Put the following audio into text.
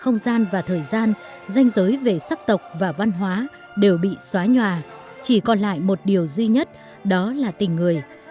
những người sắc tộc và văn hóa đều bị xóa nhòa chỉ còn lại một điều duy nhất đó là tình người